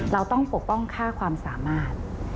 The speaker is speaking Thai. เราต้องปกป้องค่าความสามารถ